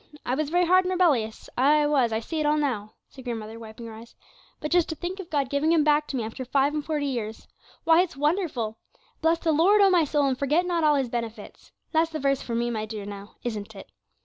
'I was very hard and rebellious, ay, I was, I see it all now,' said grandmother, wiping her eyes. 'But just to think of God giving 'em back to me after five and forty years! Why, it's wonderful,' said the old woman in a cheerful voice. '"Bless the Lord, O my soul, and forget not all His benefits." That's the verse for me, my dear, now, isn't it?'